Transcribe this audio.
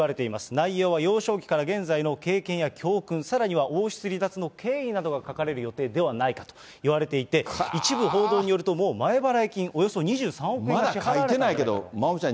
内容は、幼少期から現在の経験や教訓、さらには王室離脱の経緯などが書かれる予定ではないかといわれていて、一部報道によると、もう前払い金、およそ２３億円を支払われているのではと。